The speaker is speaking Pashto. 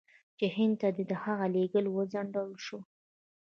چې هند ته دې د هغه لېږل وځنډول شي.